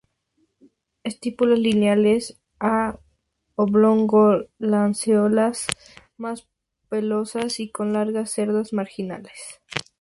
Estípulas lineales a oblongo-lanceoladas, más pelosas y con largas cerdas marginales.